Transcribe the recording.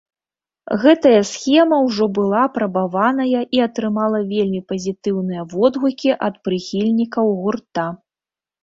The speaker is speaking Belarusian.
Гэтая схема ўжо была апрабаваная і атрымала вельмі пазітыўныя водгукі ад прыхільнікаў гурта.